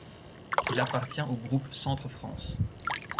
Il appartient au groupe Centre France.